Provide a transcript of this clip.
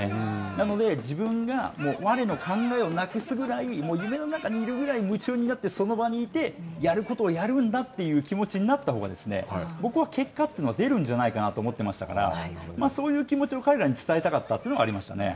なので、自分が我の考えをなくすぐらい、夢の中にいるぐらい夢中になって、その場にいて、やることをやるんだという気持ちになったほうが、僕は結果というのは出るんじゃないかなと思ってましたからそういう気持ちを彼らに伝えたかったというのはありましたね。